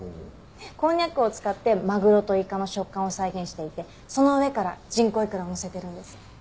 こんにゃくを使ってマグロとイカの食感を再現していてその上から人工いくらをのせているんです。